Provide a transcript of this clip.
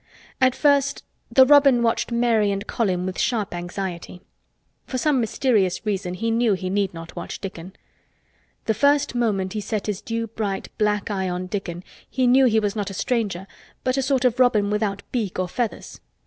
At first the robin watched Mary and Colin with sharp anxiety. For some mysterious reason he knew he need not watch Dickon. The first moment he set his dew bright black eye on Dickon he knew he was not a stranger but a sort of robin without beak or feathers.